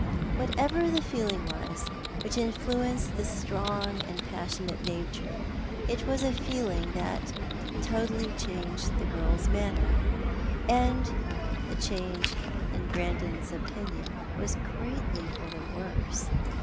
WhatcTer the feeling was which influenced this strong and passionate nature, it was a feeling that totally changed the girl's manner — and the change, in Brandon s opinion, was greatly for the worse.